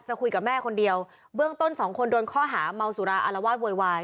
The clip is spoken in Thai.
คุยกับแม่คนเดียวเบื้องต้นสองคนโดนข้อหาเมาสุราอารวาสโวยวาย